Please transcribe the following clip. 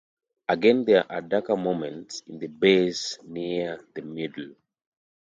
Again, there are darker moments in the bass near the middle.